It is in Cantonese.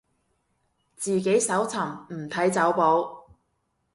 自己搜尋，唔睇走寶